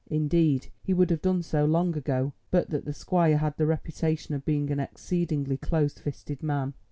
Indeed he would have done so long ago, but that the squire had the reputation of being an exceedingly close fisted man.